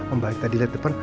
om baik tadi lihat depan